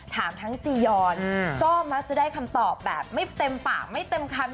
ทั้งจียอนก็มักจะได้คำตอบแบบไม่เต็มปากไม่เต็มคำ